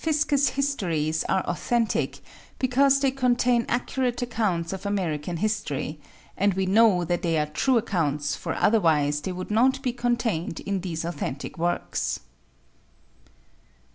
Fiske's histories are authentic because they contain accurate accounts of American history, and we know that they are true accounts for otherwise they would not be contained in these authentic works.